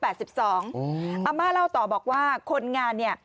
อาม่าเล่าต่อบอกว่าคนงานเนี่ย